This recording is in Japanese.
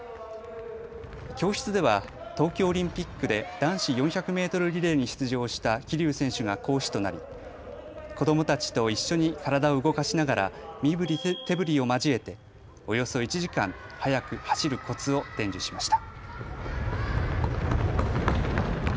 教室では東京オリンピックで男子４００メートルリレーに出場した桐生選手が講師となり子どもたちと一緒に体を動かしながら身ぶり手ぶりを交えておよそ１時間、速く走るコツを伝授しました。